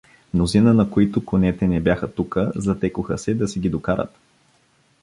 Мнозина, на които конете не бяха тука, затекоха се да си ги докарат.